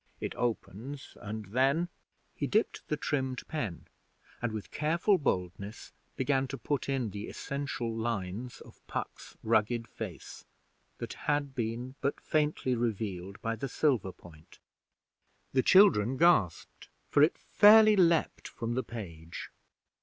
It opens, and then ' He dipped the trimmed pen, and with careful boldness began to put in the essential lines of Puck's rugged face, that had been but faintly revealed by the silver point. The children gasped, for it fairly leaped from the page.